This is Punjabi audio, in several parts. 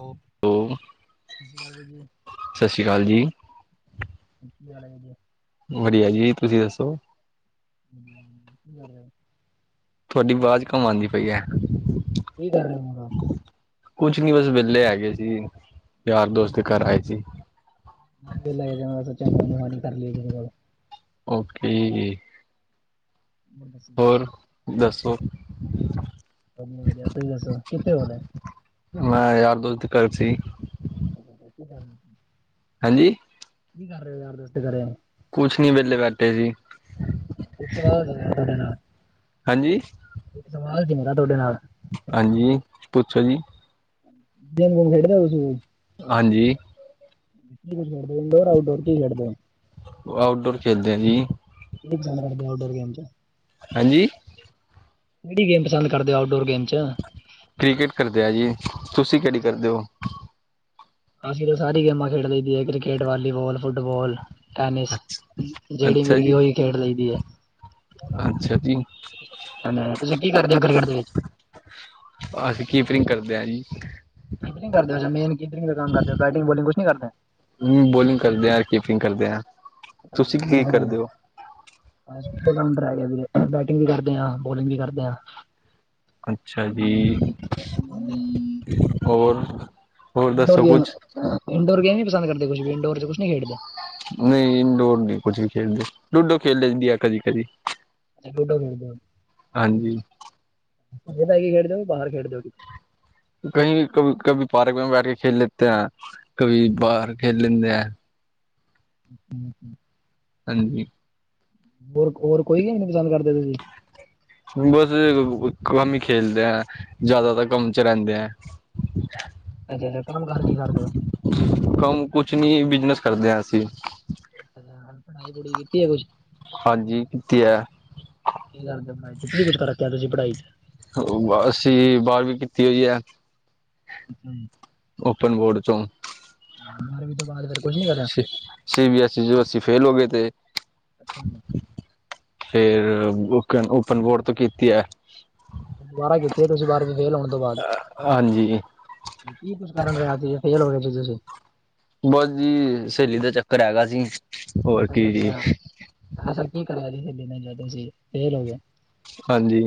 ਹੈਲੋ, ਸਤਿ ਸ਼੍ਰੀ ਅਕਾਲ ਜੀ। ਸਤਿ ਸ਼੍ਰੀ ਅਕਾਲ ਜੀ। ਕੀ ਹਾਲ ਏ? ਵਧੀਆ ਜੀ, ਤੁਸੀਂ ਦੱਸੋ? ਹੂੰ [inaudible] ਥੁਹਾਡੀ ਵਾਜ਼ ਕਮ ਆਂਦੀ ਪਈ ਐ। ਕੀ ਕਰ ਰਹੇ ਓ? ਕੁਛ ਨੀ ਬਸ ਵਿਹਲੇ ਹੈਗੇ ਸੀ, ਯਾਰ-ਦੋਸਤ ਦੇ ਘਰ ਆਏ ਸੀ। ਨਹੀਂ ਲੈ ਸੋਚਾ ਫੋਨ ਫੋ ਕਰ ਲਈਏ ਕਿਸੇ ਕੋਲ ਓਕੇ ਜੀ। ਬ। [inaudible] ਹੋਰ, ਦੱਸੋ? ਵਧੀਆ, ਵਧੀਆ। ਤੁਸੀਂ ਦੱਸੋ, ਕਿੱਥੇ ਹੁਣ? ਮੈਂ, ਯਾਰ-ਦੋਸਤ ਦੇ ਘਰ ਸੀ। [unintelligible] ਹਾਂਜੀ? ਕੀ ਕਰ ਰਹੇ ਹੋ, ਯਾਰ-ਦੋਸਤ ਦੇ ਘੱਰੇ? ਕੁਛ ਨੀ ਵਿਹਲੇ ਬੈਠੇ ਸੀ, ਸਵਾਲ ਸੀ ਮੇਰਾ ਤੁਹਾਡੇ ਨਾਲ ਹਾਂਜੀ? ਇੱਕ ਸਵਾਲ ਸੀ, ਮੇਰਾ ਤੁਹਾਡੇ ਨਾਲ। ਹਾਂਜੀ, ਪੁੱਛੋ ਜੀ। ਗੇਮ-ਗੂਮ ਖੇਡਦੇ ਓ ਤੁਸੀ ਵੀ? ਹਾਂਜੀ। ਕੀ ਖੇਡਦੇ ਓ? ਇੰਨਡੋਰ, ਆਊਟਡੋਰ ਕੀ ਖੇਡਦੇ ਹੋ? ਆਊਟਡੋਰ ਖੇਲਦੇ ਆਂ, ਜੀ। [unintelligible] ਆਊਟਡੋਰ ਗੇਮ'ਚ ਹਾਂਜੀ। ਕਿਹੜੀ ਗੇਮ ਪਸੰਦ ਕਰਦੇ, ਆਊਟਡੋਰ ਗੇਮ'ਚ? ਕ੍ਰਿਕੇਟ ਕਰਦੇ ਆ ਜੀ, ਤੁਸੀ ਅੱਛਾ ਕਿਹੜੀ ਅੱਛਾ ਕਰਦੇ ਹੋ? ਅਸੀਂ ਤਾਂ ਸਾਰੀ ਗੇਮਾਂ ਖੇਡ ਲਈਦੀ ਆ, ਕ੍ਰਿਕੇਟ, ਵਾਲੀਬਾਲ ਫੁੱਟਬਾਲ। ਟੈਨਿਸ ਅੱਛਾ ਜਿਹੜੀ ਅੱਛਾ ਮਿਲਗੀ, ਜੀ ਉਹੀ ਖੇਡ ਲਈਦੀ ਆ। ਅੱਛਾ ਜੀ। ਹਨ, ਤੁਸੀਂ ਕੀ ਕਰਦੇ, ਕ੍ਰਿਕੇਟ ਦੇ ਵਿੱਚ? ਅਸੀਂ ਕੀਪਿੰਗ ਕਰਦੇ ਆ ਜੀ। ਕੀਪਿੰਗ ਕਰਦੇ ਹੋ, ਮੇਨ ਕੀਪਿੰਗ ਦਾ ਕੰਮ ਕਰਦੇ ਹੋ, ਬੈਟਿੰਗ ਬੌਲੀਂਗ ਕੁਛ ਨਹੀਂ ਕਰਦੇ? ਹੂੰ, ਬੋਲਿੰਗ ਕਰਦੇ ਆ, ਕੀਪਿੰਗ ਕਰਦੇ ਆ। ਹੂੰ [unintelligible] ਬੈਟਿੰਗ ਵੀ ਕਰਦੇ ਆਂ, ਬੌਲਿੰਗ ਵੀ ਕਰਦੇ ਆਂ। ਅੱਛਾ ਜੀ ਹੋਰ ਹੋਰ ਇੰਡੋਰ ਦੱਸੋ ਗੇਮ ਕੁਛ ਇੰਡੋਰ ਗੇਮ ਨੀ ਪਸੰਦ ਕਰਦੇ ਕੁਛ ਵੀ, ਇੰਡੋਰ ਚ ਕੁਛ ਨੀ ਖੇਡਦੇ ਨਹੀਂ ਇੰਡੋਰ ਨਹੀਂ ਕੁਝ ਵੀ ਖੇਡਦੇ ਲੂਡੋ ਖੇਡ ਲਈ ਦੀ ਆ ਕਦੀ, ਕਦੀ ਅੱਛਾ ਲੁਡੋ ਖੇਡਦੇ ਔ ਹਾਂਜੀ। ਅੰਦਰ ਹੀ ਖੇਡਦੇ ਔ, ਬਾਹਰ ਖੇਡਦੇ ਔ ਕਹੀ ਕਭੀ ਪਾਰਕ ਮੇਂ ਬੈਠ ਕੇ ਖੇਲ ਲੇਤੇ ਹੈਂ, ਕਭੀ ਬਾਹਰ ਖੇਲ ਲੈਂਦੇ ਹੈ। [inaudible] ਹਾਂਜੀ। ਹੋਰ, ਹੋਰ ਕੋਈ ਨੀ ਪਸੰਦ ਕਰਦੇ ਤੁਸੀਂ। ਹੁਣ ਬਸ ਏ ਕਮ ਹੀ ਖੇਲਦੇ ਹਾਂ ਜ਼ਿਆਦਾਤਰ ਕੰਮ ਚ ਰਹਿੰਦੇ ਆ। ਅੱਛਾੱ, ਅੱਛਾ ਕੰਮ ਕਾਰ ਕੀ ਕਰਦੇ ਹੋ। ਕੰਮ ਕੁਛ ਨੀ, ਬਿਜਨਸ ਕਰਦੇ ਹਾਂ ਅਸੀਂ। ਅੱ ਪੜ੍ਹਾਈ ਪੜ੍ਹੀ ਕੀਤੀ ਹੈ ਕੁੱਛ ਹਾਂਜੀ ਕੀਤੀ ਹੈ। ਕੀ ਕਰਦੇ ਪੜਾਈ, ਕੀ ਕੁੱਝ ਕਰਿਆ ਤੁਸੀਂ ਪੜ੍ਹਾਈ ਚ ਅਸੀਂ ਬਾਹਾਰਵੀ ਕੀਤੀ ਹੋਈ ਹੈ। ਅੱਛਾ ਜੀ। ਓਪਨ ਬੋਰਡ ਚੋ ਬਾਰ੍ਹਵੀਂ ਤੋਂ ਬਾਅਦ ਫਿਰ। ਕੁਝ ਨਹੀਂ ਕਰਿਆ ਸੀ ਬੀ ਐਸ ਈ, ਚੋ ਅਸੀ ਫੇਲ ਹੋ ਗਏ ਥੇ ਅੱਛਾ ਜੀ। ਫੇਰ ਔਪਨ ਬੋਰਡ ਤੋਂ ਕੀਤੀ ਹੈ। ਦੁਬਾਰਾ ਕੀਤੀ ਐ, ਤੁਸੀਂ ਬਾਰਵੀਂ ਫੇਲ ਹੋਣ ਤੋਂ ਬਾਅਦ। ਹਾਂਜੀ ਕੀ ਕੁਛ ਕਾਰਨ ਰਿਹਾ ਸੀ, ਫੇਲ ਹੋ ਗਏ ਸੀ ਤੁਸੀਂ। ਬਸ ਜੀ ਸਹੇਲੀ ਦਾ ਚੱਕਰ ਹੈਗਾ ਸੀ। ਹੋਰ ਅੱਛਾ ਕੀ ਜੀ ਅੱਛਾਾ ਐਸਾ ਕੀ ਕਰਿਆ ਸੀ, ਕਿ ਇੰਨਾ ਜਦ ਤੁਸੀ ਫੇਲ ਹੋ ਗਏ ਹਾਂਜੀ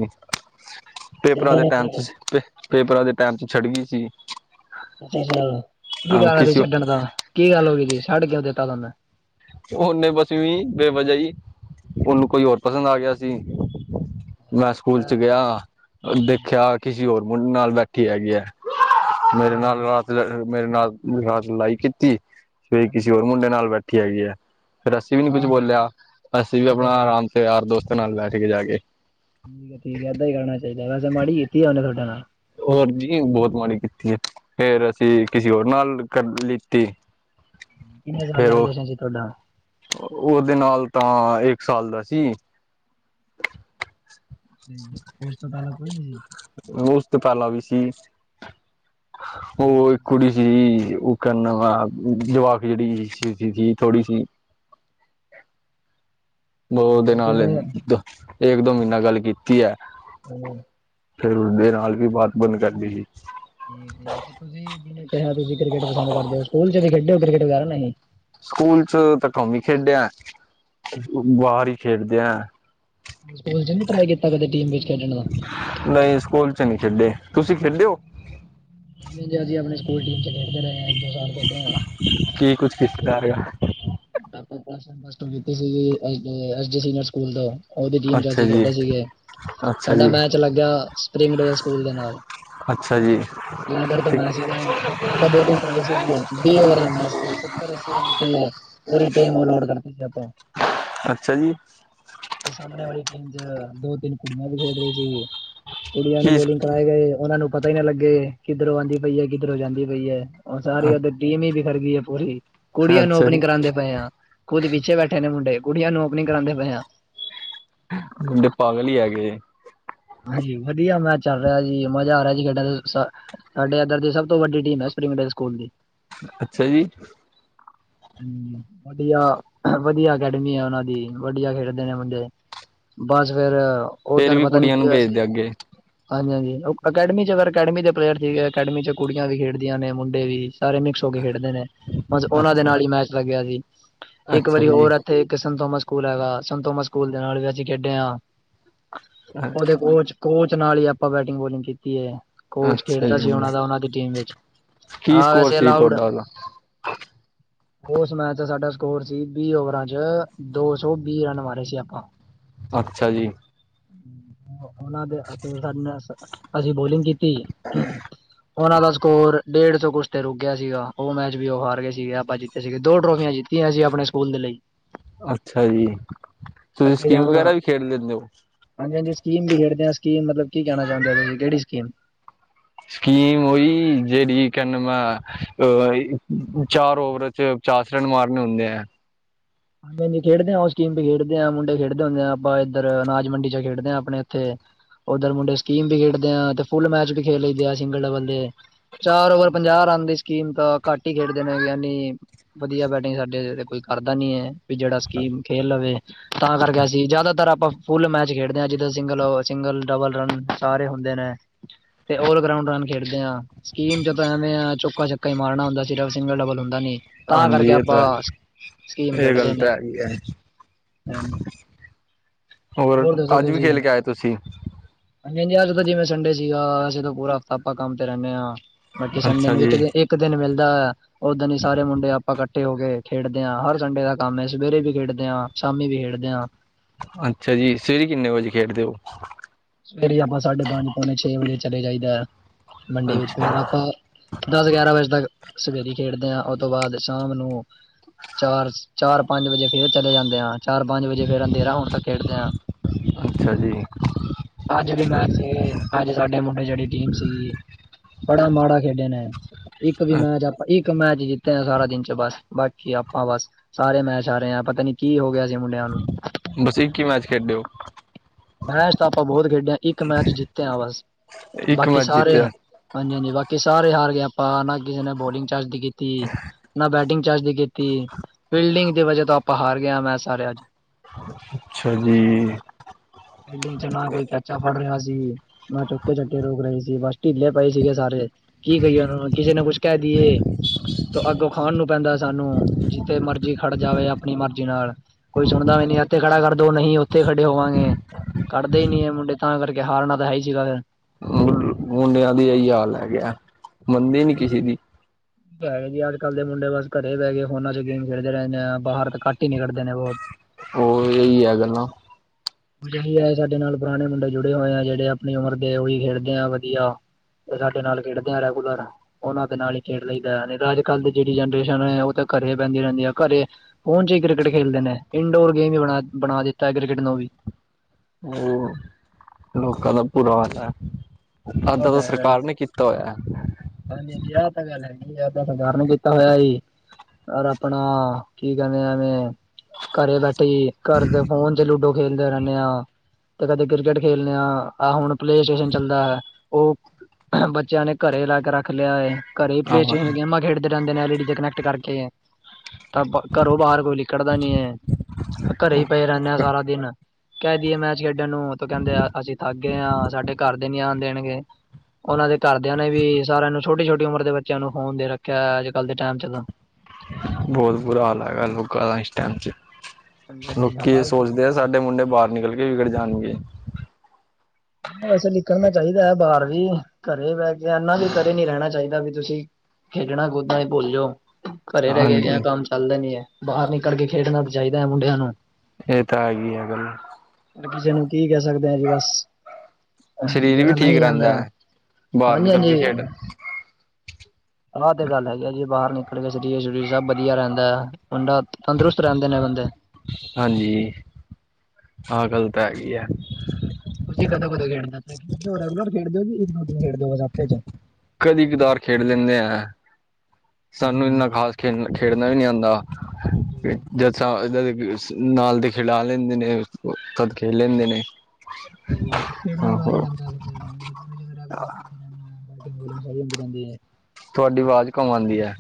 ਪੇਪਰਾਂ ਸਹੇਲੀ ਦੇ ਨੇ ਕੀ ਟਾਈਮ ਕਰਿਆ 'ਚ ਪੇਪਰਾਂ ਦੇ ਟਾਈਮ 'ਚ, ਛੱਡ ਗਈ ਸੀ। ਅੱਛਾ -ਅੱਛਾ, ਕੀ ਅ ਕਾਰਨ ਸੀ ਕਿਸੇ ਛੱਡਣ ਦਾ, ਕੀ ਗੱਲ ਹੋ ਗਈ ਸੀ, ਛੱਡ ਕਿਉਂ ਦਿੱਤਾ ਤੁਹਾਨੂੰ ਉਹਨੇ ਬਸ ਐ ਵੀ ਹੀ, ਬੇਵਜਹ ਈ। ਉਹਨੂੰ ਕੋਈ ਹੋਰ ਪਸੰਦ ਆ ਗਿਆ ਸੀ। ਮੈਂ ਸਕੂਲ 'ਚ ਹਾਂਜੀ ਅੱਛਾ ਗਿਆ, ਦੇਖਿਆ ਕਿਸੇ ਹੋਰ ਮੁੰਡੇ ਨਾਲ ਬੈਠੀ ਹੈਗੀ ਹੈ। ਮੇਰੇ ਹਾਂਜੀ ਨਾਲ ਹਾਂ ਰਾਤ ਮੇਰੇ ਨਾਲ ਰਾਤ ਲੜਾਈ ਕੀਤੀ, ਫੇਰ ਕਿਸੇ ਹੋਰ ਮੁੰਡੇ ਨਾਲ ਬੈਠੇ ਹੈਗੀ ਹੈ ਫਿਰ ਅਸੀਂ ਵੀ ਨੀ ਕੁਛ ਬੋਲਿਆ ਅਸੀਂ ਵੀ ਹਾਂ ਤੇ ਆਪਣਾ ਗੱਲ ਆਰਾਮ ਤੇ ਯਾਰ ਦੋਸਤ ਨਾਲ ਬੈਠ ਗਏ ਜਾ ਕੇ ਠੀਕ ਠੀ ਏਦਾਂ ਹੀ ਕਰਨਾ ਚਾਹੀਦਾ, ਵੈਸੇ ਮਾੜੀ ਕੀਤੀ ਆ ਉਹਨੇ ਤੁਹਾਡੇ ਨਾਲ। ਹੋਰ ਜੀ ਬਹੁਤ ਮਾੜੀ ਕੀਤੀ ਹੈ ਫੇਰ ਅਸੀਂ ਕਿਸੇ ਹੋਰ ਨਾਲ ਕਰ ਲਿੱਤੀ ਕਿੰਨੇ ਸਾਲ ਦਾ ਫੇਰ ਉਹ ਰਿਲੇਸ਼ਨਸ਼ਿਪ ਸੀ ਤੁਹਾਡਾ। ਉਹਦੇ ਨਾਲ ਤਾਂ ਇੱਕ ਸਾਲ ਦਾ ਸੀ। ਉਸ ਤੋ ਪਹਿਲਾ, ਕੋਈ ਨੀ ਜੀ। ਉਸ ਤੋਂ ਪਹਿਲਾਂ ਵੀ ਸੀ ਉਹ ਇੱਕ ਕੁੜੀ। ਜਿ ਉਹ ਕਹਨਾ ਵਾ ਜਵਾਕ ਜਿਹੜੀ ਸੀ, ਥੋੜ੍ਹੀ ਸੀ। ਬਹੁ ਉਹਦੇ ਨਾਲ ਜਿਵੇਂ ਦੋ ਇੱਕ ਦੋ ਮਹੀਨਾ ਗੱਲ ਕੀਤੀ ਹੈ। [inaudible] ਫੇਰ ਉਸਦੇ ਨਾਲ ਵੀ ਬਾਤ ਬੰਦ ਕਰ ਦੀ ਸੀ। ਤੇ ਤੁਸੀਂ ਜਿਹਨੇ ਕਿਹਾ ਤੁਸੀਂ ਕ੍ਰਿਕਟ ਪਸੰਦ ਕਰਦੇ ਹੋ, ਸਕੂਲ 'ਚ ਵੀ ਖੇਡ ਹੋ, ਕ੍ਰਿਕਟ ਵਗੈਰਾ ਨਹੀਂ ਸਕੂਲ 'ਚ ਤਾਂ ਕਮ ਈ ਖੇਡਿਆ, ਬਾਹਰ ਹੀ ਖੇਡਦੇ ਆਂ। ਸਕੂਲ'ਚ ਨ ਟਰਾਈ ਕੀਤਾ ਕਦੇ, ਟੀਮ ਵਿੱਚ ਖੇਡਣ ਦਾ ਨਹੀਂ ਸਕੂਲ ਨੀ ਖੇਡੇ, ਤੁਸੀਂ ਖੇਡ ਹੋ। ਅਸੀਂ ਆਪਣੇ ਸਕੂਲ ਟੀਮ 'ਚ ਖੇਡਦੇ ਰਹੇ ਹਾਂ। ਦੋ ਸਾਲ ਖੇਡੇ ਹਾਂ ਕੀ ਕੁਝ ਕੀਤਾ, ਆ ਰਿਹਾ ਹੈ ਆਪਾ ਪਲਸ ਵਨ, ਪਲਸ ਟੂ ਕੀਤੀ ਸੀਗੀ S D S D senior school ਤੋਂ ਓਦੀ ਟੀਮ 'ਚ ਅੱਛਾ ਅਸੀਂ ਜੀ ਖੇਡੇ ਸੀਗੇ। ਅੱਛਾ ਸਾਡਾ ਜੀ ਮੈਚ ਲੱਗੇਆ, ਸ੍ਰੀਪੀਂਗ ਡੇਲ ਸਕੂਲ ਦੇ ਨਾਲ ਅੱਛਾ ਜੀ। ਲੈਦਰ ਦਾ ਬੈਟ ਸੀਗਾ, ਓਥੇ ਆਪਾ ਬੋਲਿੰਗ ਵੀ ਓਵਰ ਦਾ ਮੈਚ ਸੀ, ਸੱਤਰ-ਅੱਸੀ ਰਨ ਤੇ ਪੂਰੀ ਟੀਮ ਆਊਟ ਕਰ ਤੀ ਆਪਾਂ ਅੱਛਾ ਜੀ। ਤੇ ਸਾਮਣੇ ਵਾਲੀ ਟੀਮ ਚ, ਦੋ-ਤਿੰਨ ਕੁੜੀਆਂ ਵੀ ਖੇਡ ਰੀ ਸੀ ਕੁੜੀਆਂ ਨੂੰ ਕੀ ਬੋਲਿੰਗ ਪਰ, ਓਨਾ ਨੂੰ ਪਤਾ ਈ ਨਾ ਲੱਗੇ ਕਿੱਦਰੋਂ ਆਂਦੀ ਪਈ ਐ, ਕਿੱਦਰੋਂ ਜਾਂਦੀ ਪਈ ਐ ਓ ਸਾਰੇ ਓਦੇ ਟੀਮ ਈ ਬੀਖਰ ਗਈ ਐ ਪੂਰੀ, ਕੁੜੀਆਂ ਨੂੰ ਅੱਛਾ ਜੀ ਓਪਨਿੰਗ ਕਰਾਂਦੇ ਪਏ ਆਂ। ਖੁਦ ਪਿੱਛੇ ਬੈਠੇ ਨੇ ਮੁੰਡੇ, ਕੁੜੀਆਂ ਨੂੰ ਓਪਨਿੰਗ ਨੀ ਕਰਾਂਦੇ ਪਏ ਆ। ਮੁੰਡੇ ਪਾਗਲ ਈ ਹੈਗੇ। ਹਾਂਜੀ, ਵਦੀਆ ਮੈਚ ਚੱਲ ਰੇਯਾ ਸੀ ਮਜ਼ਾ ਆ ਰੇਆ ਸੀ ਸਾਡਾ ਤੇ ਸ ਸਾਡੇ ਏਦਰ ਦੀ ਸਬ ਤੋਂ ਵੱਡੀ ਟੀਮ ਐ ਸ੍ਰਿਪੀਂਗ ਡੈਲ ਸਕੂਲ ਦੀ। ਅੱਛਾ ਜੀ। [inaudible] ਹੂੰ, ਵਦੀਆ-ਵਦੀਆ ਅਕੈੜਮੀ ਆ ਓਨਾਂ ਦੀ ਵਦੀਆ ਖੇੜਦੇ ਨੇ ਮੁੰਡੇ। ਬਾਸ ਫੇਰ ਉਹ ਫੇਰ ਦਿਨ ਵੀ ਪਤਾ ਨੀ ਕੁੜੀਆਂ ਕੀ ਨੂੰ ਹੋਇਆ ਭੇਜਦੇ ਅੱਗੇ। [inaudible] ਹਾਂਜੀ-ਹਾਂਜੀ, ਓ ਅਕੈਡਮੀ ਚ ਅਗਰ ਅਕੈਡਮੀ ਦੇ ਪਲੇਅਰ ਸੀਗੇ ਅਕੈਡਮੀ ਚ ਕੁੜੀਆਂ ਵੀ ਖੇੜਦੀਆਂ ਨੇ ਮੁੰਡੇ ਵੀ ਸਾਰੇ ਮਿਕਸ ਕੇ ਖੇਡਦੇ ਨੇ, ਬਸ ਓਨਾਂ ਦੇ ਅੱਛਾ ਨਾਲ ਈ ਮੈਚ ਲੱਗੇਆ ਸੀ ਤੇ ਇੱਕ ਅੱਛਾ ਵਾਰੀ ਜੀ ਹੋਰ ਐਥੇ ਕਿ ਸੈਨਥੋਮਸ ਸਕੂਲ ਹੈਗਾ, ਸੰਨਥੋਮਸ ਸਕੂਲ ਦੇ ਨਾਲ਼ ਵੀ ਅਸੀਂ ਖੇਡੇ ਆਂ। ਓਦੇ ਕੋਚ, ਕੋਚ ਨਾਲ਼ ਈ ਆਪਾਂ ਬੈਟਿੰਗ ਬੋਲਿੰਗ ਕੀਤੀ ਏ। ਕੋਚ ਅੱਛਾ ਖੇੜਦਾ ਸੀ ਜੀ ਓਣਾ ਦਾ ਓਨਾਂ ਦੀ ਟੀਮ ਵਿੱਚ, ਕੀ ਆ ਸਕੋਰ ਵੈਸੇ ਸੀ ਅਲਾਊਡ [inaudible] ਤੁਹਾਡਾ ਉਹਦਾ ਓਸ ਮੈਚ ਚ ਸਾਡਾ ਸਕੋਰ ਸੀ ਵੀਹ ਓਵਰਾਂ ਚ, ਦੋ-ਸੌ ਵੀਹ ਰਨ ਮਾਰੇ ਸੀ ਆਪਾ। ਅੱਛਾ ਜੀ। ਓਨਾਂ ਦੇ ਸਾਡੇ ਨਾ ਅ, ਅਸੀਂ ਬੋਲਿੰਗ ਕੀਤੀ। ਓਨਾਂ ਦਾ ਸਕੋਰ ਡੇਢ ਸੌ ਕੁਛ ਤੇ ਰੁਕ ਗੇਆ ਸੀਗਾ, ਓਨਾ ਚ ਵੀ ਓ ਮੈਚ ਵੀ ਓ ਹਾਰ ਗੇ ਸੀਗੇ ਆਪਾਂ ਜਿੱਤੇ ਸੀਗੇ ਦੋ ਟਰੋਫੀਆਂ ਜਿੱਤ ਕੀਤੀਆਂ ਸੀ ਆਪਣੇ ਸਕੂਲ ਦੇ ਲਈ। ਅੱਛਾ ਜੀ, ਤੁਸੀਂ ਸਕੀਮ ਵਗੈਰਾ ਵੀ ਖੇੜ ਲੇਂਦੇ ਓ? ਹਾਂਜੀ-ਹਾਂਜੀ, ਸਕੀਮ ਵੀ ਖੇਡਦੇ ਆਂ ਸਕੀਮ ਮਤਲਬ ਕੀ ਕੈਣਾ ਚਾਂਦੇ ਓ ਤੁਸੀਂ ਕੇੜੀ ਸਕੀਮ? ਸਿਕੀਮ ਓਈ ਜੇੜੀ ਕਨ ਮੈਂ ਅ, ਚਾਰ ਓਵਰ ਚ ਚਾਰ ਸੋ ਰਨ ਮਾਰਨੇ ਹੁੰਦੇ ਆ। ਹਾਂਜੀ-ਹਾਂਜੀ ਖੇੜਦੇ ਆ ਓਸ ਗੇਮ ਵੀ ਖੇਡਦੇ ਆਂ ਮੁੰਡੇ ਖੇਡਦੇ ਹੁੰਦੇ ਆਂ, ਆਪਾਂ ਏਦਰ ਅਨਾਜ ਮੰਡੀ 'ਚ ਖੇੜਦੇ ਆਂ ਆਪਣੇ ਏਥੇ ਓਦਰ ਮੁੰਡੇ ਸਕੀਮ ਵੀ ਖੇੜਦੇ ਆਂ, ਤੇ ਫੁਲ ਮੈਚ ਵੀ ਖੇਲ ਲਈ ਦੇ ਆ ਸਿੰਗਲ ਡਬਲ ਦੇ ਚਾਰ ਓਵਰ ਪੰਜਾਹ ਰਨ ਦੇ ਸੀ। ਕੀਮਤਾਂ ਘੱਟ ਈ ਖੇੜਦੇ ਨੇ ਯਾਨੀ, ਵਦੀਆ ਬੈਟਿੰਗ ਸਾਡੇ ਜੇਜਾ ਕੋਈ ਕਰਦਾ ਨੀ ਏ। ਵੀ ਜੇੜਾ ਸਕੀਮ ਖੇਲ ਲਵੇ, ਤਾਂ ਕਾਰਕੇ ਅਸੀਂ ਜੇਆਦਾਤਰ ਆਪਾਂ ਫੁੱਲ ਮੈਚ ਖੇੜਦੇ ਆਂ, ਜਿੱਦਾਂ ਸਿੰਗਲ-ਸਿੰਗਲ ਡਬਲ ਰਨ ਸਾਰੇ ਹੁੰਦੇ ਨੇ। ਤੇ ਓਰ ਗਰਾਉਂਡ ਰਨ ਖੇੜਦੇ ਆਂ, ਸਕੀਮ ਜਦੋ ਤਾਂ ਐਵੇਂ ਚੋਕਾ-ਛੱਕਾ ਈ ਮਾਰਨਾ ਹੁੰਦਾ ਸਿਰਫ ਸਿੰਗਲ ਡਬਲ ਹੁੰਦਾ ਨੀ। ਤਾਂ ਹਾਂਜੀ ਕਾਰਕੇ ਇਹ ਆਪਾਂ ਤਾਂ ਸਕੀਮ ਖੇ ਇਹ ਗੱਲ ਤਾ ਐ ਈ ਐ। ਹੋਰ, ਆੱਜ ਵੀ ਖੇਲ ਕੇ ਆਏ ਤੁਸੀਂ? ਹਾਂਜੀ-ਹਾਂਜੀ, ਆੱਜ ਤਾਂ ਜਿਵੇਂ ਸੰਡੇ ਸੀਗਾ ਅਸੀਂ ਤਾਂ ਪੂਰਾ ਹਫ਼ਤਾ ਆਪਾਂ ਕੰਮ ਤੇ ਰੈਨੇ ਆਂ ਬਾਕੀ ਸੰਡੇ ਅੱਛਾ ਨੂੰ ਇੱਕ ਜੀ ਦੇ ਇ ਇੱਕ ਦਿਨ ਮਿਲਦੈ, ਓਦਿਨ ਈ ਸਾਰੇ ਮੁੰਡੇ ਆਪਾਂ ਕੱਠੇ ਹੋ ਕੇ ਖੇੜਦੇ ਆਂ ਹਰ ਸੰਡੇ ਤੱ ਕੰਮ ਐ, ਸਵੇਰੇ ਵੀ ਖੇੜਦੇ ਆਂ ਸ਼ਾਮੀ ਵੀ ਖੇੜਦੇ ਆਂ। ਅੱਛਾ ਜੀ, ਸਵੇਰੇ ਕਿੰਨੇ ਵਜੇ ਖੇੜਦੇ ਓ? ਸਵੇਰੇ ਆਪਾਂ ਸਾਡੇ ਪੰਜ, ਪੋਣੇ ਛੇ ਵਜੇ ਚਲੇ ਜਾਈਦੈ ਮੰਡੀ ਵਿੱਚ ਅੱਛਾ ਫੇਰ ਆਪਾ ਦਸ ਗਿਆਰਾਂ ਵਜੇ ਤੱਕ ਸਵੇਰੀ ਖੇਡਦੇ ਹਾਂ, ਉਹ ਤੋਂ ਬਾਅਦ ਸ਼ਾਮ ਨੂੰ ਚਾਰ- ਚਾਰ ਪੰਜ ਵਜੇ ਫੇਰ ਚਲੇ ਜਾਂਦੇ ਆਂ, ਚਾਰ ਪੰਜ ਵਜੇ ਫੇਰ ਅੰਧੇਰਾ ਹੁਣ ਤੱਕ ਖੇਡਦੇ ਹਾਂ। ਅੱਛਾ ਜੀ। ਅੱਜ ਵੀ ਮੈਚ ਸੀ, ਅੱਜ ਸਾਡੇ ਮੁੰਡੇ ਜਿਹੜੀ ਟੀਮ ਸੀਗੀ। ਬੜਾ ਮਾੜਾ ਖੇਡੇ ਨੇ, ਇੱਕ ਵੀ ਮੈਂ ਜਪ ਇੱਕ ਇੱਕ ਮੈਚ ਜਿੱਤੇ ਆ ਸਾਰਾ ਦਿਨ ਚ, ਬਸ ਬਾਕੀ ਆਪਾਂ ਬਸ ਸਾਰੇ ਮੈਚ ਹਾਰੇ ਆਂ, ਪਤਾ ਨੀ ਕੀ ਹੋ ਗਿਆ ਸੀ ਮੁੰਡਿਆਂ ਨੂੰ, ਬਸ ਇੱਕ ਹੀ ਮੈਚ ਖੇਡੇ ਹੋ ਬਾਸ ਤਾਂ ਆਪਾਂ ਬਹੁਤ ਖੇਡੇ ਆਂ, ਇੱਕ ਮੈਚ ਜਿੱਤ ਆਂ, ਬਸ ਇੱਕ ਬਾਕੀ ਮੈਚ ਸਾਰੇ ਜਿੱਤਿਆ ਹਾਰੇ ਹਾਂਜੀ-ਹਾਂਜੀ ਬਾਕੀ ਸਾਰੇ ਹਾਰ ਗਏ, ਆਪਾਂ ਨਾ ਕਿਸੇ ਨੇ ਬੋਲਿੰਗ ਚੱਜ ਦੀ ਕੀਤੀ, ਨਾ ਬੈਟਿੰਗ ਚੱਜ ਦੀ ਕੀਤੀ। ਤੀ ਬਿਲਡਿੰਗ ਦੀ ਵਜਾ ਤੋਂ ਆਪਾਂ ਹਾਰ ਗਿਆ ਮੈਚ ਸਾਰੇ ਅੱਜ। ਅੱਛਾ ਜੀ। ਹੈਲੋ ਨਾ ਕੋਈ ਕੈਚਾ ਫੜ ਰਿਹਾ ਸੀ, ਨਾ ਚੁੱਕ ਕੇ ਚੱਟੇ ਰੁਕ ਰਹੇ ਸੀ, ਬਸ ਢਿੱਲੇ ਪਏ ਸੀਗੇ ਸਾਰੇ। ਕੀ ਕਹੀਏ ਉਹਨਾਂ ਨੂੰ, ਕਿਸੇ ਨੂੰ ਕੁੱਛ ਕਹਿ ਦੀਏ ਤੇ ਅੱਗੋਂ ਖਾਣ ਨੂੰ ਪੈਂਦਾ ਸਾਨੂੰ, ਜਿੱਥੇ ਮਰਜੀ ਖੜ ਜਾਵੇ ਆਪਣੀ ਮਰਜ਼ੀ ਨਾਲ। ਕੋਈ ਸੁਣਦਾ ਵੀ ਨੀ ਇੱਥੇ ਖੜਾ ਕਰ ਦੋ, ਨਹੀਂ ਉੱਥੇ ਖੜੇ ਹੋਵਾਂਗੇ। ਖੜਦੇ ਹੀ ਨਹੀਂ ਐ ਮੁੰਡੇ, ਤਾਂ ਕਰਕੇ ਹਾਰਨਾ ਤਾਂ ਹੈ ਹੀ ਸੀਗਾ ਫਿਰ। ਮੁੰਡਿਆਂ ਦੀ ਇਹੀ ਹਾਲ ਹੈ ਗਿਆ, ਮੰਨਦੇ ਈ ਨਹੀ ਕਿਸੇ ਦੀ। ਪ ਜੀ ਅੱਜ- ਕੱਲ੍ਹ ਦੇ ਮੁੰਡੇ ਬਸ ਘਰੇ ਬਹਿ ਗੇ, ਫੋਨਾਂ ਚ ਗੇਮ ਖੇਡਦੇ ਰਹਿੰਦੇ ਆ, ਬਾਹਰ ਘੱਟ ਹੀ ਨਿਕਲਦੇ ਨੇ ਬਹੁਤ। ਉਹ ਇਹੀ ਐ ਗੱਲਾਂ। ਜਹੀ ਐ ਸਾਡੇ ਨਾਲ ਪੁਰਾਣੇ ਮੁੰਡੇ ਜੁੜੇ ਹੋਏ ਆ, ਜਿਹੜੇ ਆਪਣੀ ਉਮਰ ਦੇ, ਉਹੀ ਖੇਡਦੇ ਆ ਵਧੀਆ। ਸਾਡੇ ਨਾਲ ਖੇਡਦੇ ਆਂ ਰੈਗੂਲਰ। ਉਹਨਾਂ ਦੇ ਨਾਲ ਹੀ ਖੇਡ ਲਈ ਦਾ, ਨਈ ਤੇ ਅੱਜ-ਕੱਲ੍ਹ ਦੀ ਜਿਹੜੀ ਜਨਰੇਸ਼ਨ ਐ, ਉਹ ਤਾਂ ਘਰੇ ਬਹਿੰਦੀ ਰਹਿੰਦੀ ਐ, ਘਰੇ ਹੁਣ ਚ ਹੀ ਕ੍ਰਿਕਟ ਖੇਡਦੇ ਨੇ, ਇੰਨਡੋਰ ਗੇਮ ਵੀ ਬ ਬਣਾ ਦਿੱਤਾ ਕ੍ਰਿਕਟ ਨੂੰ ਵੀ। ਉਹ ਲੋਕਾਂ ਦਾ ਬੁਰਾ ਹਾਲ ਐ, ਉਹ ਅੱਧਾ-ਅੱਧਾ ਤਾਂ ਹੈਗਾ ਜੀ ਸਰਕਾਰ ਨੇ ਕੀ ਤਾ ਹੋਇਆ। ਹਾਂਜੀ- ਹਾਂਜੀ ਆਹ ਤਾਂ ਗੱਲ ਹੈਗੀ, ਆਹ ਸਰਕਾਰ ਨੇ ਕੀਤਾ ਹੋਇਆ ਜੀ। ਯਰ ਆਪਣਾ, ਕੀ ਕਹਿੰਦੇ ਐਵੇਂ ਘਰੇ ਬੈਠੇ, ਘਰ ਦੇ ਫੋਨ ਤੇ ਲੂਡੋ ਖੇਲਦੇ ਰਹਿੰਦੇ ਆਂ। ਤੇ ਕਦੇ ਕ੍ਰਿਕਟ ਖੇਲਦੇ ਆ, ਆਹ ਹੁਣ ਪਲੇਅ ਸਟੇਸ਼ਨ ਚੱਲਦਾ ਐ, ਉਹ ਬੱਚਿਆਂ ਨੇ ਘਰੇ ਲਾ ਕੇ ਰੱਖ ਲਿਆ ਐ, ਘਰੇ ਪਲੇਅ ਆਹੋ ਸ਼ਟੇਸ਼ਨ ਚ ਹੀ ਗੇਮਾਂ ਖੇਡ ਦੇ ਰਹਿੰਦੇ ਨੇ ਐਲ ਈ ਡੀ ਤੇ ਕਨੈਕਟ ਕਰਕੇ, ਤਾਂ ਘਰੋਂ ਬਾਹਰ ਕੋਈ ਲਿਕੜਦਾ ਨੀ ਐ। ਘਰੇ ਹੀ ਪਏ ਰਹਿੰਦੇ ਆ ਸਾਰਾ ਦਿਨ। ਕਹਿ ਦਈਏ ਮੈਚ ਖੇਡਣ ਨੂੰ, ਉਹ ਕਹਿੰਦੇ ਆ ਅਸੀਂ ਥੱਕ ਗਏ ਆਂ, ਸਾਡੇ ਘਰ ਦੇ ਨੀ ਆਣ ਦੇਣਗੇ। ਉਹਨਾਂ ਦੇ ਘਰਦਿਆਂ ਨੇ ਵੀ, ਸਾਰਿਆਂ ਨੂੰ ਛੋਟੀ- ਛੋਟੀ ਉਮਰ ਦੇ ਬੱਚਿਆਂ ਨੂੰ ਫੋਨ ਦੇ ਰੱਖਿਆ, ਅੱਜ- ਕੱਲ੍ਹ ਦੇ ਟਾਈਮ ਚ ਤਾਂ। ਬਹੁਤ ਬੁਰਾ ਹਾਲ ਹੈਗਾ ਲੋਕਾਂ ਦਾ, ਇਸ ਟਾਈਮ ਚ। ਹਾਂਜੀ-ਹਾਂਜੀ ਹਾਂ ਲੋਕੀ ਇਹ ਅੱਜ ਤੇ ਬਹੁਤ ਸੋਚਦੇ ਆ, ਸਾਡੇ ਮੁੰਡੇ ਬਾਹਰ ਨਿਕਲ ਕੇ ਵਿਗੜ ਜਾਣਗੇ। ਵੈਸੇ ਲਿਕੜਣਾ ਚਾਹੀਦਾ ਐ ਬਾਹਰ ਵੀ, ਘਰੇ ਬਹਿ ਕੇ ਐਨਾ ਵੀ ਘਰੇ ਨੀ ਰਹਿਣਾ ਚਾਹੀਦਾ, ਵੀ ਤੁਸੀਂ ਖੇਡਣਾ ਕੁੱਦਣਾ ਹੀ ਭੁੱਲਜੋ। ਘਰੇ ਰਹਿ ਕੇ ਵੀ ਹਾਂਜੀ ਕੰਮ ਚੱਲਦਾ ਨੀ ਐ, ਬਾਹਰ ਨਿਕਲ ਕੇ ਖੇਡਣਾ ਚਾਹੀਦਾ ਹੈ ਮੁੰਡਿਆਂ ਨੂੰ। ਇਹ ਤਾਂ ਹੈਗੀ ਹੈ ਗੱਲ ਪਰ ਕਿਸੇ ਨੂੰ ਕੀ ਕਹਿ ਸਕਦੇ ਆਂ ਜੀ ਬਸ। ਸਰੀਰ ਵੀ ਜਿਹੜਾ ਠੀਕ ਨਹੀਂ ਆਂਦਾ ਰਹਿੰਦਾ, ਬਾਹਰ ਨਿਕਲ ਕੇ ਹਾਂਜੀ-ਹਾਂਜੀ। ਖੇਡਣ। ਆਹ ਤੇ ਗੱਲ ਹੈਗੀ ਆ ਜੀ, ਬਾਹਰ ਨਿਕਲ ਕੇ ਸਰੀਰ- ਸਰੀਰ ਸਭ ਵਧੀਆ ਰਹਿੰਦਾ ਐ, ਮੁੰਡਾ ਤੰਦਰੁਸਤ ਰਹਿੰਦੇ ਨੇ ਬੰਦੇ। ਹਾਂਜੀ, ਆਹ ਗੱਲ ਤਾਂ ਹੈਗੀ ਆ। ਤੁਸੀਂ ਕਦੋਂ- ਕਦੋਂ ਖੇਡਦੇ ਓ, ਰੈਗੂਲਰ ਖੇਡਦੇ ਇੱਕ ਦੋ ਦਿਨ ਖੇਡਦੇ ਹੋ ਹਫ਼ਤੇ ਚ। ਕਦੀ ਕਦਾਰ ਖੇਡ ਲੈਂਦੇ ਆ। ਸਾਨੂੰ ਜੀ ਇੰਨਾ ਖਾਸ ਖੇਡ ਖੇਡਣਾ ਵੀ ਨੀ ਆਂਦਾ, ਜੀ ਜੀ। ਜਦ [inaudible] ਇਹਨਾਂ ਦੇ ਨਾਲ ਦੇ ਖਿਡਾ ਲੈਂਦੇ ਨੇ, ਤਦ ਖੇਡ ਲੈਂਦੇ ਨੇ। ਖੇਡਨਾ ਤਾ ਆ ਈ ਆਹੋ ਜਾਂਦਾ ਬੰਦੇ ਨੂੰ, ਜਦੋਂ ਰੈਗੂਲਰ ਬੈਟਿੰਗ ਵੂਟਿੰਗ ਸਾਰੀ ਹੁੰਦੀ ਰਹਿੰਦੀ ਐ। ਤੁਹਾਡੀ ਆਵਾਜ਼, ਘੁੰਮਉਂਦੀ ਐ।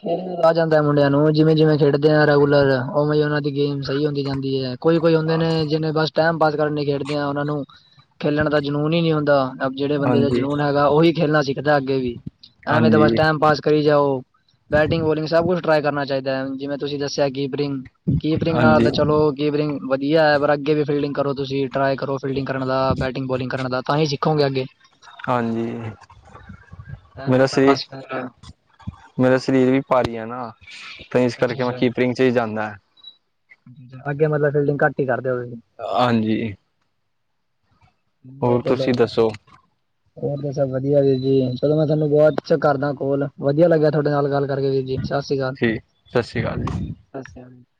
ਖੇਲ ਆ ਜਾਂਦਾ ਮੁੰਡਿਆਂ ਨੂੰ, ਜਿਵੇਂ- ਜਿਵੇਂ ਖੇਡਦੇ ਆ ਰੈਗੂਲਰ, ਉਵੇਂ ਉਹਨਾਂ ਦੀ ਗੇਮ ਸਹੀ, ਹੁੰਦੀ ਜਾਂਦੀ ਏ। ਕੋਈ -ਕੋਈ ਹੁੰਦੇ ਨੇ ਜਿਹਨੇ ਬਸ ਟੈਮ ਪਾਸ ਕਰਨ ਖੇਡਦੇ ਆ, ਉਹਨਾ ਨੂੰ ਖੇਲਣ ਦਾ ਜਨੂੰਨ ਹੀ ਨਹੀਂੀ ਹੁੰਦਾ। ਜਿਹੜੇ ਬੰਦੇ, ਦਾ ਹਾਂਜੀ ਜਨੂੰਨ ਹੈਗਾ ਉਹੀ ਖੇਲਣਾ ਸਿੱਖਦਾ, ਅੱਗੇ ਵੀ ਐਵੇਂ ਤਾਂ ਹਾਂਜੀ ਬਸ ਟੈਮ ਪਾਸ, ਕਰੀ ਜਾਓ ਬੈਟਿੰਗ, ਬੋਲਿੰਗ, ਸਭ ਕੁਛ ਟਰਾਈ ਕਰਨਾ ਚਾਹੀਦਾ ਹੈ, ਜਿਵੇਂ ਤੁਸੀਂ ਦੱਸਿਆ ਕੀਪਰਿੰਗ- ਕੀਪਰਿੰਗ ਨਾਲ ਹਾਂਜੀ ਤਾਂ ਚਲੋ ਕੀਪਰਿੰਗ ਵਧੀਆ ਹੈ, ਪਰ ਅੱਗੇ ਵੀ ਫੀਲਡਿੰਗ ਕਰੋ, ਤੁਸੀਂ ਟਰਾਈ ਕਰੋ, ਫੀਲਡਿੰਗ ਕਰਨ ਬੈਟਿੰਗ ਬੋਲਲਿੰਗ ਕਰਨ ਦਾ, ਤਾਂ ਹੀ ਸਿੱਖ ਕਹਾ ਗਿਆ, ਅੱਗੇ ਹਾਂਜੀ, ਮੇਰੇ ਐਵੇਂ ਤਾਂ ਸੇ ਬਸ ਮੇਰਾ ਸਰੀਰ ਵੀ, ਭਾਰੀ ਆ ਨਾ ਤੇ ਇਸ ਕਰਕੇ ਮੈਂ ਫਿਰ ਕੀਪਰਿੰਗ, ਚ ਹੀ ਜਾਂਣਾ ਅੱਗੇ ਮਤਲਬ, ਫਿਲਡਗ ਘੱਟ ਹੀ ਕਰਦੇ ਹੋ ਤੁਸੀਂ ਹਾਂਜੀ ਹੋਰ ਨਦੇਲੋਂ ਤੁਸੀਂ ਦੱਸੋ [inaudible] ਹੋਰ ਤਾਂ ਸਭ ਵਧੀਆ ਵੀਰ ਜੀ, ਚਲੋ ਮੈਂ ਤੁਹਾਨੂੰ ਬਾਅਦ ਚ ਕਰਦਾ ਕੋਲ, ਵਧੀਆ ਲੱਗਿਆ ਤੁਹਾਡੇ ਨਾਲ ਗੱਲ ਕਰਕੇ ਵੀਰ ਜੀ, ਸਤਿ ਸ਼੍ਰੀ ਅਕਾਲ। ਠੀਕ, ਸਤਿ ਸ਼੍ਰੀ ਅਕਾਲ ਜੀ। [inaudible] [inaudible]